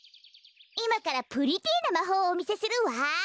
いまからプリティーなまほうをおみせするわ。